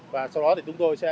và sau đó chúng tôi sẽ